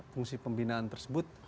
fungsi pembinaan tersebut